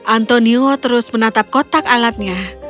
antonio terus menatap kotak alatnya